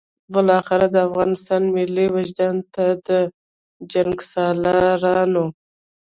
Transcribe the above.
بالاخره د افغانستان ملي وجدان ته د جنګسالارانو.